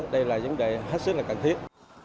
đây là vấn đề hết sức là cần thiết